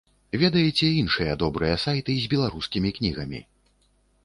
Ведаеце іншыя добрыя сайты з беларускімі кнігамі?